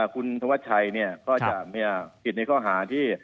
คุณธวัชชัยก็จะผิดในข้อหาที่